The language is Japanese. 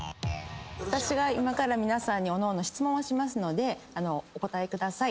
私が今から皆さんにおのおの質問をしますのでお答えください。